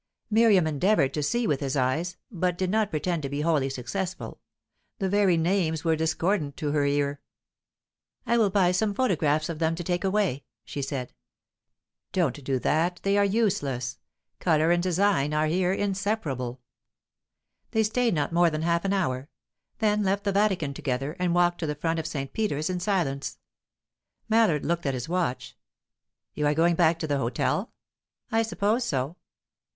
Miriam endeavoured to see with his eyes, but did not pretend to be wholly successful. The very names were discordant to her ear. "I will buy some photographs of them to take away," she said. "Don't do that; they are useless. Colour and design are here inseparable." They stayed not more than half an hour; then left the Vatican together, and walked to the front of St. Peter's in silence. Mallard looked at his watch. "You are going back to the hotel?" "I suppose so."